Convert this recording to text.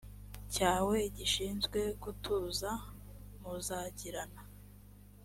cyawe gishinzwe gutuza muzagirana